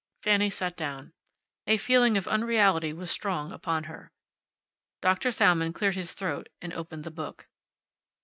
Fanny sat down. A feeling of unreality was strong upon her. Doctor Thalmann cleared his throat and opened the book.